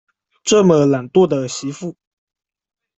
这么懒惰的媳妇